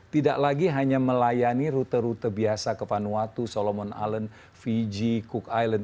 tidak lagi hanya melayani rute rute biasa ke vanuatu solomon island fiji cook island